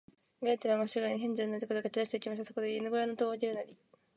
グレーテルは、まっしぐらに、ヘンゼルのいる所へかけだして行きました。そして、犬ごやの戸をあけるなり、